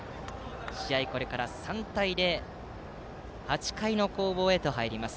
試合はこれから３対０で８回の攻防へと入ります。